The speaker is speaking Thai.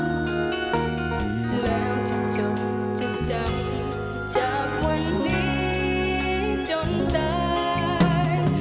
แล้วจะจบที่จำจากวันนี้จนตาย